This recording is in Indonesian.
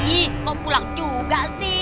ih kau pulang juga sih